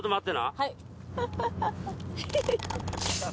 はい。